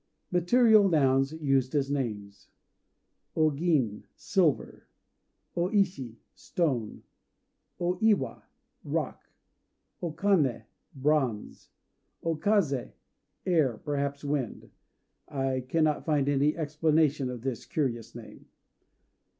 MATERIAL NOUNS USED AS NAMES O Gin "Silver." O Ishi "Stone." O Iwa "Rock." O Kané "Bronze." O Kazé "Air," perhaps Wind. I cannot find any explanation of this curious name.